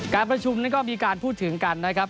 การประชุมนั้นก็มีการพูดถึงกันนะครับ